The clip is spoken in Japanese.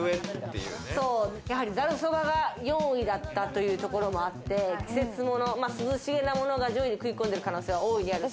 ざるそばが４位だったというところもあって季節もの、涼しげなものが上位に食い込んでる可能性は大いにある。